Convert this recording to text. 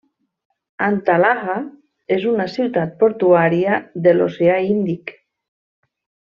Antalaha és una ciutat portuària de l'oceà Índic.